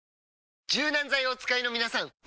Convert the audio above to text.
柔軟剤をお使いのみなさん！